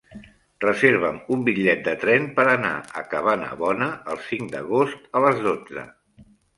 Reserva'm un bitllet de tren per anar a Cabanabona el cinc d'agost a les dotze.